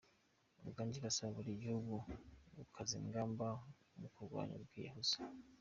Uganda irasaba buri gihugu gukaza ingamba mu kurwanya ubwiyahuzi